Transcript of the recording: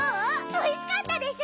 おいしかったでしょ？